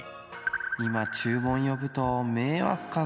今注文呼ぶと迷惑かな